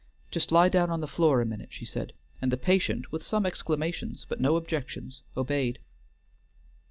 "Just lie down on the floor a minute," she said, and the patient with some exclamations, but no objections, obeyed.